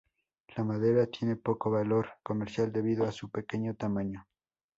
La madera tiene poco valor comercial debido a su pequeño tamaño.